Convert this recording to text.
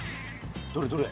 どれどれ？